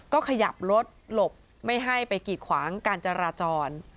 ก็ขยับรถหลบไม่ให้ไปกีดขวางการจราจร